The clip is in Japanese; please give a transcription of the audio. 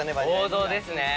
王道ですね。